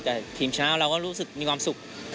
แต่ทีมเช้าเราก็รู้สึกมีความสุข